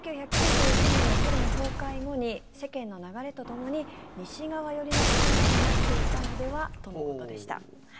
１９９１年のソ連崩壊後に世間の流れとともに西側寄りの考えになっていったのではということでした。